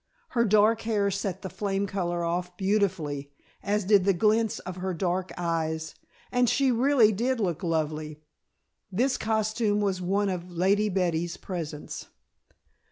Her dark hair set the flame color off beautifully, as did the glints of her dark eyes, and she really did look lovely. This costume was one of Lady Betty's presents.